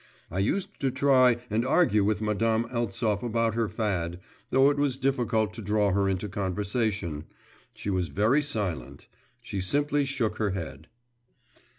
I used to try and argue with Madame Eltsov about her fad, though it was difficult to draw her into conversation; she was very silent. She simply shook her head.